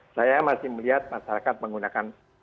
saya masih melihat masyarakat menggunakan